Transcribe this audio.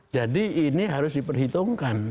jadi ini harus diperhitungkan